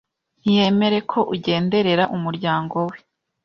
ntiyemere ko ugenderera umuryango wawe ,